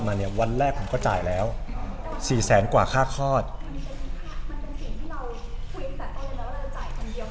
มันเป็นสิ่งที่เราคุยแต่ตอนนั้นแล้วเราจ่ายคนเดียวมั้ย